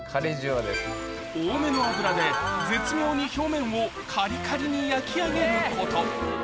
多めの油で絶妙に表面をカリカリに焼き上げること